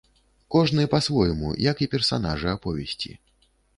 Кожны па-свойму, як і персанажы аповесці.